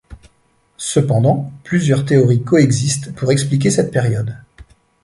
Cependant plusieurs théories coexistent pour expliquer cette période.